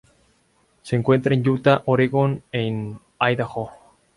Se encuentra en Utah, Oregon y en Idaho.